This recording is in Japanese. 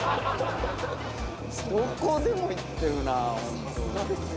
どこでも行ってるなホント。